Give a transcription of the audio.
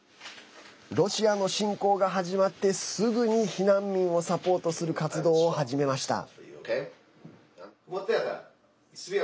ロシアの侵攻が始まってすぐに避難民をサポートする活動を始めました。